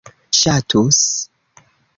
ŝatus